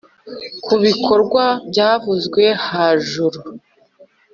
ku bikorwa byavuzwe hajuru